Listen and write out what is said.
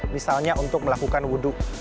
misalnya untuk melakukan wudhu